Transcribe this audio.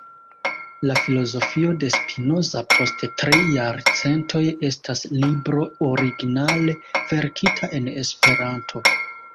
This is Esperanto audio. La Filozofio de Spinoza post Tri Jarcentoj estas libro originale verkita en Esperanto.